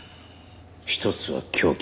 一つは凶器。